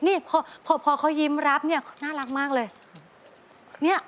นี่พอเขายิ้มรับเนี่ยน่ารักมากเลย